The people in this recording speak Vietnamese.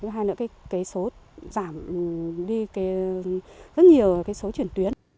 hai nữa cái số giảm đi rất nhiều cái số chuyển tuyến